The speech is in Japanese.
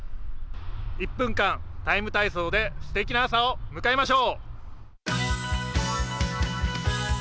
１分間「ＴＩＭＥ，体操」ですてきな朝を迎えましょう。